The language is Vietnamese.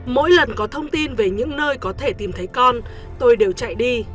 mỗi lần có thông tin về những nơi có thể tìm thấy con tôi đều chạy đi